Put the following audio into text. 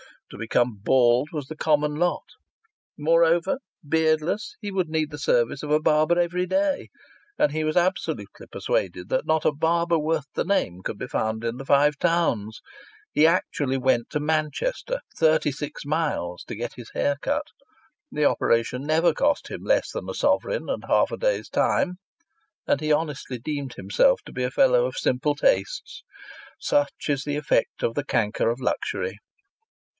To become bald was the common lot. Moreover, beardless, he would need the service of a barber every day. And he was absolutely persuaded that not a barber worth the name could be found in the Five Towns. He actually went to Manchester thirty six miles to get his hair cut. The operation never cost him less than a sovereign and half a day's time ... And he honestly deemed himself to be a fellow of simple tastes! Such is the effect of the canker of luxury.